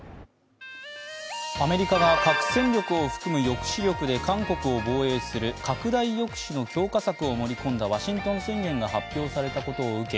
アメリカが核戦力を含む抑止力で韓国を防衛する拡大抑止の強化策を盛り込んだワシントン宣言が発表されたことを受け